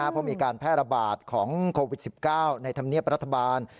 เพราะมีการแพร่ระบาดของโควิด๑๙ในธรรมเนียบรัฐบาล